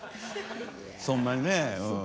そんなにねうん。